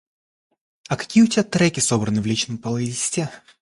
А какие у тебя треки собраны в личном плейлисте?